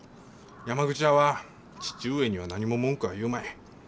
山口屋は義父上には何も文句は言うまい。